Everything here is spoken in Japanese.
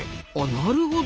なるほど。